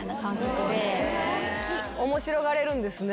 面白がれるんですね